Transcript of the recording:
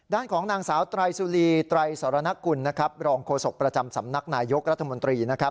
ด้านของนางสาวไตรสุรีไตรสรณกุลรองโคศกประจำสำนักนายกรัฐมนตรี